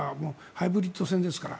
ハイブリッド戦ですから。